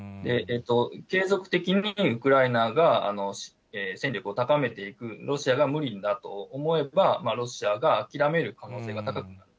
継続的にウクライナが戦力を高めていく、ロシアが無理だと思えば、ロシアが諦める可能性が高くなる。